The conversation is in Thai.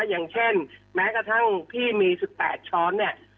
อย่างเช่นแม้กระทั่งพี่มี๑๘ช้อนเนี่ย